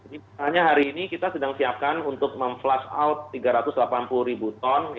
misalnya hari ini kita sedang siapkan untuk memflush out tiga ratus delapan puluh ribu ton